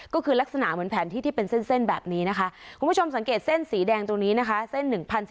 ก็คือลักษณะเหมือนแผนที่ที่เป็นเส้นแบบนี้นะคะคุณผู้ชมสังเกตเส้นสีแดงตรงนี้นะคะเส้น๑๐๑